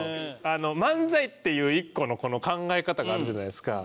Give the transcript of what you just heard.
「漫才」っていう１個の考え方があるじゃないですか。